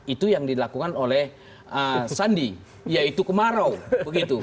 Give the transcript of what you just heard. itu yang dilakukan oleh sandi yaitu kemarau begitu